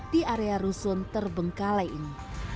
di area rusun terbengkalai ini